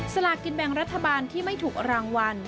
สลากินแบ่งรัฐบาลที่ไม่ถูกรางวัล